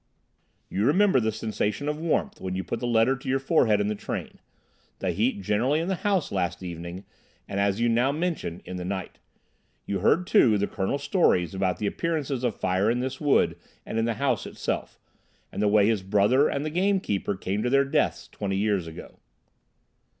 "You remember the sensation of warmth when you put the letter to your forehead in the train; the heat generally in the house last evening, and, as you now mention, in the night. You heard, too, the Colonel's stories about the appearances of fire in this wood and in the house itself, and the way his brother and the gamekeeper came to their deaths twenty years ago."